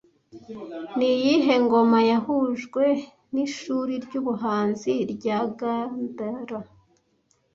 Niyihe ngoma yahujwe nishuri ryubuhanzi rya Gandhara